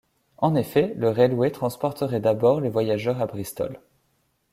En effet, le railway transporterait d’abord les voyageurs à Bristol.